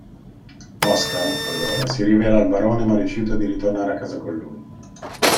Oscar, allora, si rivela al barone ma rifiuta di ritornare a casa con lui.